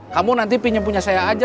kamu nanti pinjam punya saya aja